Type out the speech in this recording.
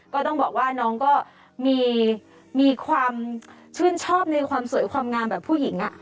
ก็ต้องบอกว่าน้องก็มีความชื่นชอบในความสวยความงามแบบผู้หญิง